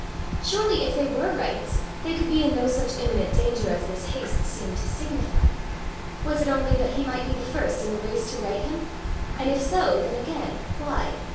Surely if they were rights, they could be in no such imminent danger as this haste seemed to signify. Was it only that he might be the first in the race to right him? and if so, then again, why?